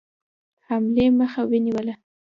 حملې مخه ونیوله.